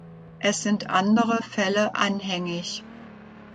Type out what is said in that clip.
Es sind andere Fälle anhängig.